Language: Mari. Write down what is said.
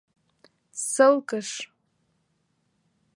ССЫЛКЫШ